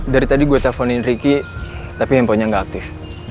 dari tadi gue telfonin riki tapi handphonenya nggak aktif